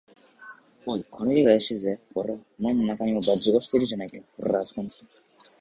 「おい、この家があやしいぜ。ごらん、門のなかにも、バッジが落ちているじゃないか。ほら、あすこにさ」